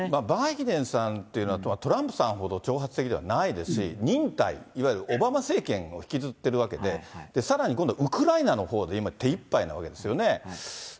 バイデンさんというのは、トランプさんほど挑発的ではないですし、忍耐、いわゆるオバマ政権を引きずってるわけで、さらに今度ウクライナのほうで今、手いっぱいなわけですよね。